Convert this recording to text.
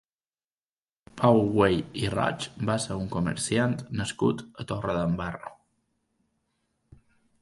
Pau Güell i Roig va ser un comerciant nascut a Torredembarra.